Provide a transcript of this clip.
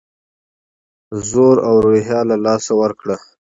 زور او روحیه له لاسه ورکړه.